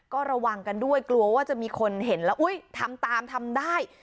ก็ระวังกันด้วยกลัวว่าจะมีคนเห็นแล้วอุ๊ยทำตามทำได้